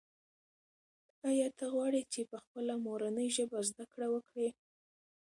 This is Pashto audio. آیا ته غواړې چې په خپله مورنۍ ژبه زده کړه وکړې؟